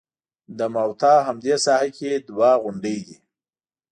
د موته همدې ساحه کې دوه غونډۍ دي.